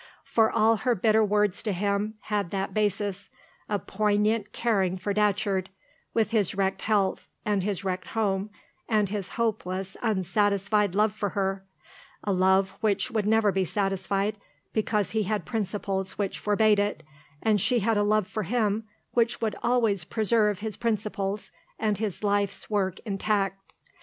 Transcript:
For all her bitter words to him had that basis a poignant caring for Datcherd, with his wrecked health, and his wrecked home, and his hopeless, unsatisfied love for her a love which would never be satisfied, because he had principles which forbade it, and she had a love for him which would always preserve his principles and his life's work intact.